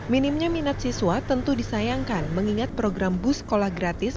minimnya minat siswa tentu disayangkan mengingat program bus sekolah gratis